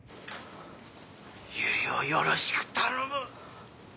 由梨をよろしく頼む